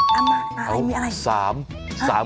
อะไรมีอะไร